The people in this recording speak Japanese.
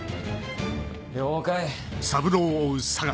了解。